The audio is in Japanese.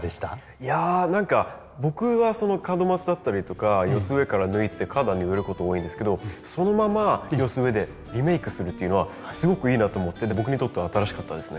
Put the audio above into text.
いや何か僕は門松だったりとか寄せ植えから抜いて花壇に植えること多いんですけどそのまま寄せ植えでリメイクするっていうのはすごくいいなと思って僕にとっては新しかったですね。